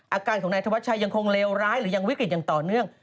อาการของนายธวัชชัยยังคงเลวร้ายหรือยังวิกฤตอย่างต่อเนื่อง